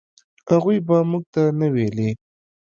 هغوی به موږ ته نه ویلې.